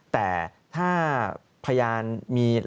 แต่ถ้าพยานมี